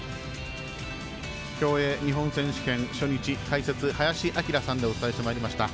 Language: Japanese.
競泳日本選手権初日解説、林享さんでお伝えしてまいりました。